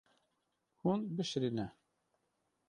Hûn bişirîne.